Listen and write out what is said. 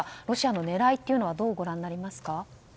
ロシアの狙いというのはどうご覧になりますか？